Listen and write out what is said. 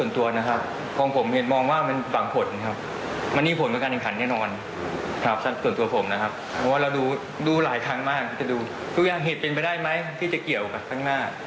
ตอนนี้เรื่องนี้หลับมากสิว่าทุกอย่างเหตุเป็นไปได้ไหมที่จะเกี่ยวกับทางหน้า